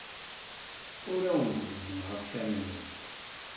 Ur awent-gezzmeɣ accaren-nwent.